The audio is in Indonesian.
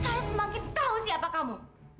saya semakin tahu siapa kamu